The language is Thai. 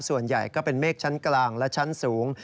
ส่วนใหญ่ก็เป็นเมฆชั้นกลางและชั้นสูง